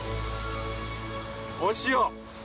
お塩！